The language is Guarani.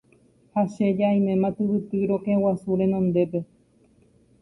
ha che ja aiméma tyvyty rokẽguasu renondépe.